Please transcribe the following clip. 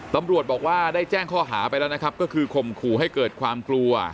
ตำรวจบอกว่าได้แจ้งข้อหาไปแล้วนะครับก็คือข่มขู่ให้เกิดความกลัว